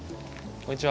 こんにちは。